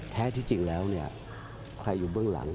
แท้ที่จริงแล้วเนี่ยใครอยู่เบื้องหลัง